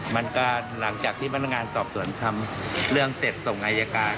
หลังจากที่พนักงานสอบสวนทำเรื่องเสร็จส่งอายการ